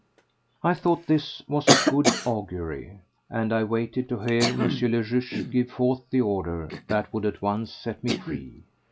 I thought this was of good augury; and I waited to hear M. le Juge give forth the order that would at once set me free.